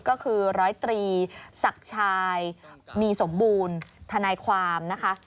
ก็คือร้อยตรีศักดิ์ชายมีสมบูรณ์ทนายความนะคะ